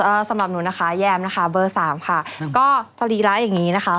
น้องฝนสุดพ้อยค่ะสำหรับหนูนะคะแยมนะคะเบอร์๓ค่ะก็สรีระอย่างนี้นะคะ